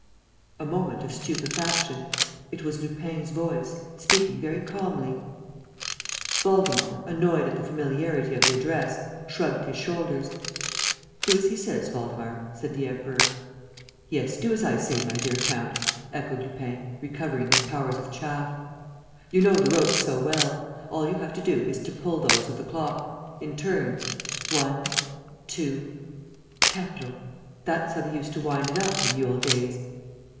A moment of stupefaction. It was Lupin's voice, speaking very calmly. Waldemar, annoyed at the familiarity of the address, shrugged his shoulders. "Do as he says, Waldemar," said the Emperor. "Yes, do as I say, my dear count," echoed Lupin, recovering his powers of chaff. "You know the ropes so well ... all you have to do is to pull those of the clock ... in turns ... one, two ... capital! ... That's how they used to wind it up in the old days."